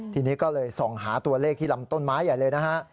ทีนี้ก็เลยส่องหาตัวเลขที่ลำต้นไม้ใหญ่เลยนะฮะ